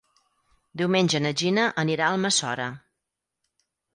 Diumenge na Gina anirà a Almassora.